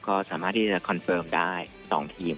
ก็สามารถที่จะคอนเฟิร์มได้๒ทีม